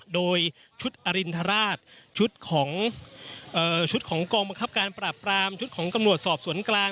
โดยชุดอรินทราชชุดของชุดของกองบังคับการปราบปรามชุดของตำรวจสอบสวนกลาง